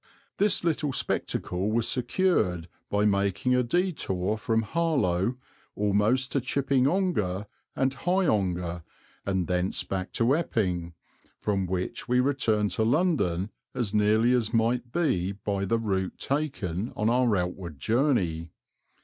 This little spectacle was secured by making a detour from Harlow almost to Chipping Ongar, and High Ongar and thence back to Epping, from which we returned to London as nearly as might be by the route taken on our outward journey.